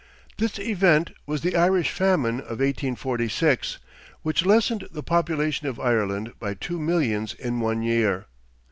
This event was the Irish famine of 1846, which lessened the population of Ireland by two millions in one year.